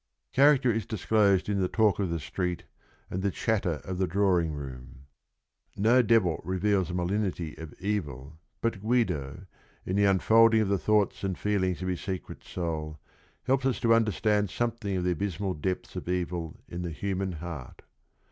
Character is disclosed in the talk of the street and the chatter of the drawing room. No devil reveals the malignity of evil, but Guido, in the unfolding of the thoughts and feelings of his secret soul, helps us to understand something of the abysmal depths of evil in the human heart.